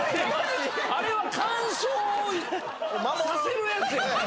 あれは乾燥をさせるやつやん。